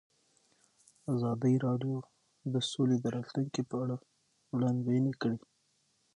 ازادي راډیو د سوله د راتلونکې په اړه وړاندوینې کړې.